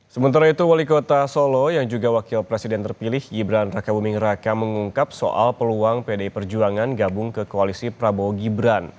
sementara itu wali kota solo yang juga wakil presiden terpilih gibran raka buming raka mengungkap soal peluang pdi perjuangan gabung ke koalisi prabowo gibran